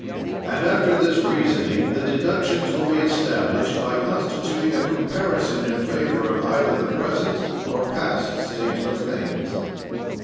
"And, after this reasoning, the deductions will be established by constituting a comparison in favor of either the present or past state of things."